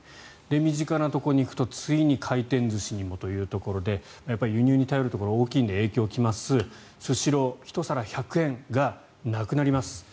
身近なところに行くとついに回転寿司にもというところでやっぱり輸入に頼るところが大きいので影響が来ますスシロー１皿１００円がなくなります。